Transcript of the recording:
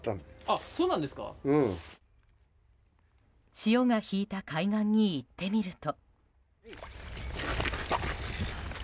潮が引いた海岸に行ってみると。